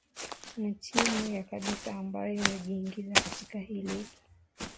na timu ya kabisa ambayo imejiingiza katika hii ligi